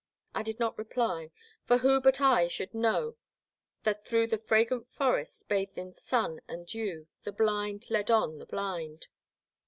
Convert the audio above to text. I did not reply, for who but I should know that through the fragrant forest, bathed in sun and dew, the blind led on the blind.